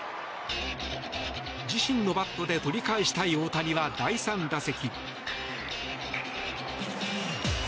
自身のバットで取り返したい大谷は、第３打席。